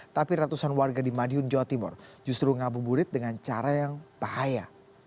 tapi ratusan warga di madiun jawa timur justru ngabuburit dengan cara yang bahaya